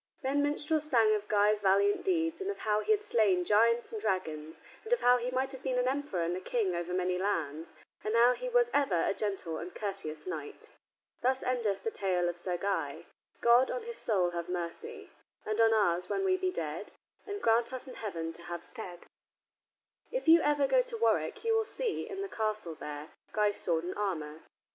Then minstrels sang of Guy's valiant deeds, and of how he had slain giants and dragons, and of how he might have been an emperor and a king over many lands, and how he was ever a gentle and courteous knight. "Thus endeth the tale of Sir Guy: God, on his soul have mercy, And on ours when we be dead, And grant us in heaven to have stead." If you ever go to Warwick you will see, in the castle there, Guy's sword and armor.